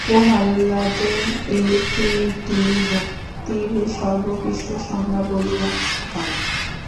প্রহ্লাদের এই উক্তিটিই ভক্তির সর্বোকৃষ্ট সংজ্ঞা বলিয়া মনে হয়।